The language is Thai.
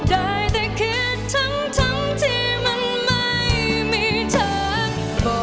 ได้แต่คิดทั้งทั้งที่มันไม่มีทาง